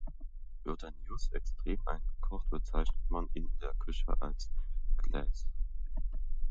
Wird ein Jus extrem eingekocht, bezeichnet man ihn in der Küche als „Glace“.